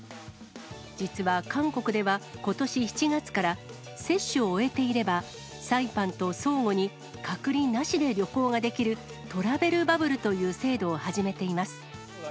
実は韓国では、ことし７月から、接種を終えていれば、サイパンと相互に隔離なしで旅行ができる、トラベルバブルという制度を始めています。